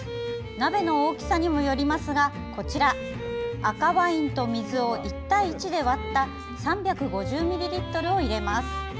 鍋の大きさにもよりますが赤ワインと水を１対１で割った３５０ミリリットルを入れます。